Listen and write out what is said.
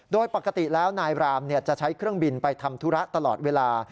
โดยปกติแล้วนายบรามจะใช้เครื่องบินไปทำธุระตลอดเวลา